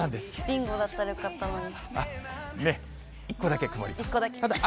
ビンゴだったらよかったのに。